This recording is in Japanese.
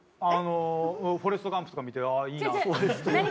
あの「フォレストガンプ」とか見てあいいなって。